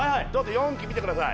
４期生見てください